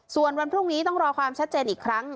ส่วนวันพรุ่งนี้ต้องรอความชัดเจนอีกครั้ง